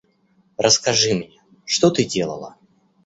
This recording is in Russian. Расскажи мне, что ты делала?